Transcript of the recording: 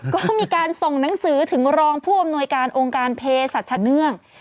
ก็มีการส่งหนังสือถึงรองผู้อำนวยการองค์การเพศัตว์ชะเนื่อง